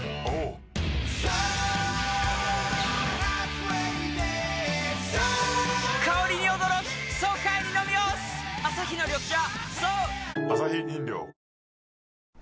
颯颯アサヒの緑茶